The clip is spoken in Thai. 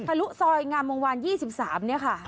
ทะลุซอยงามวงวานยี่สิบสามเนี่ยค่ะครับ